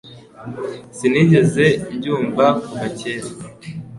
Sinigeze mbyumva kuva kera.